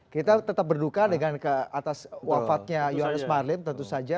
kita tetap berduka dengan atas wafatnya yohannes marlim tentu saja